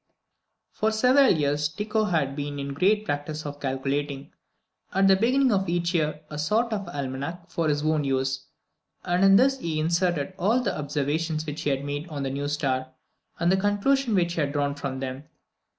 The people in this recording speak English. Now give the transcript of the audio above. For several years Tycho had been in the practice of calculating, at the beginning of each year, a sort of almanac for his own use, and in this he inserted all the observations which he had made on the new star, and the conclusions which he had drawn from them.